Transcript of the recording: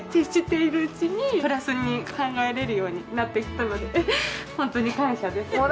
接しているうちにプラスに考えられるようになってきたので本当に感謝です。